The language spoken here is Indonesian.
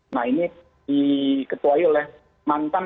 nah ini diketuai oleh mantan